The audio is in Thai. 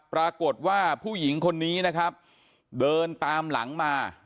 ปรากฏว่าผู้หญิงคนนี้นะครับเดินตามหลังมา